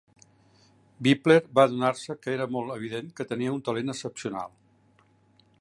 Wippler va adonar-se que era molt evident que tenia un talent excepcional.